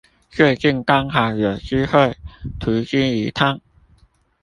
最近剛好有機會途經一趟